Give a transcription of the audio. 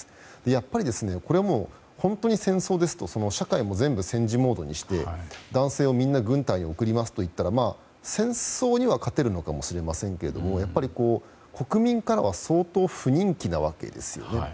やっぱりこれも本当に戦争ですと社会も全部、戦時モードにして男性をみんな軍隊に送りますと言ったら戦争には勝てるのかもしれませんが国民からは相当不人気なわけですよね。